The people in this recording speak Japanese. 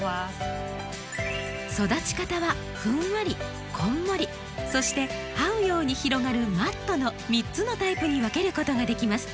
育ち方はふんわりこんもりそしてはうように広がるマットの３つのタイプに分けることができます。